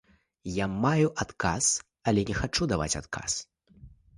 Я маю адказ, але я не хачу даваць адказ.